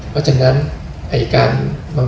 เพราะฉะนั้น